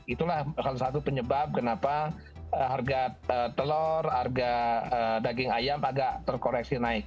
itulah salah satu penyebab kenapa harga telur harga daging ayam agak terkoreksi naik